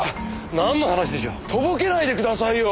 なんの話でしょう？とぼけないでくださいよ！